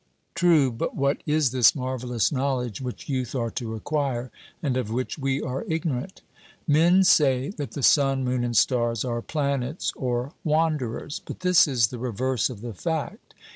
'True; but what is this marvellous knowledge which youth are to acquire, and of which we are ignorant?' Men say that the sun, moon, and stars are planets or wanderers; but this is the reverse of the fact.